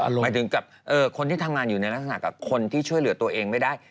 หมายถึงกับคนที่ทำงานอยู่ในลักษณะกับคนที่ช่วยเหลือตัวเองไม่ได้